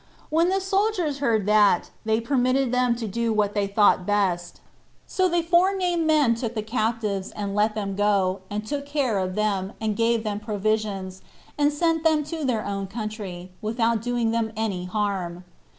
When the soldiers heard that, they permitted them to do what they thought best. So the forenamed men took the captives, and let them go, and took care of them, and gave them provisions, and sent them to their own country, without doing them any harm.